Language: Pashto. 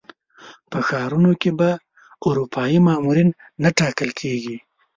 په ښارونو کې به اروپایي مامورین نه ټاکل کېږي.